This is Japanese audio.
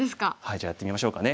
じゃあやってみましょうかね。